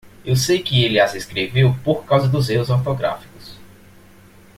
Eu sei que ele as escreveu por causa dos erros ortográficos.